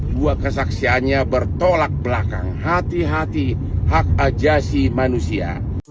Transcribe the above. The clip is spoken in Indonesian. dua kesaksiannya bertolak belakang hati hati hak ajasi manusia